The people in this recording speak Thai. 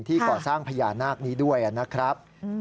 ก่อสร้างพญานาคนี้ด้วยนะครับ